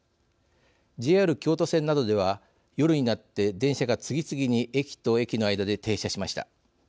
ＪＲ京都線などでは夜になって電車が次々に駅と駅の間で停車しました。